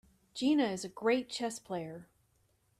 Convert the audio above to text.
Gina is a great chess player.